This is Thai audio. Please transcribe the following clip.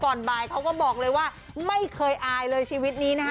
ก่อนบ่ายเขาก็บอกเลยว่าไม่ไอเลยชีวิตนี้นะฮะ